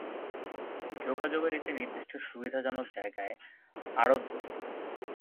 যোগাযোগের একটি নির্দিষ্ট সুবিধাজনক জায়গায় আড়ত বসত।